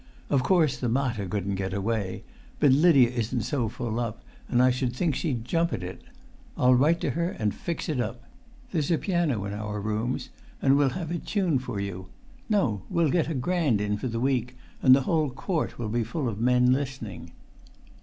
Of course the mater couldn't get away, but Lydia isn't so full up, and I should think she'd jump at it. I'll write to her[Pg 296] and fix it up. There's a piano in our rooms, and we'll have it tuned for you; no, we'll get a grand in for the week; and the whole court will be full of men listening."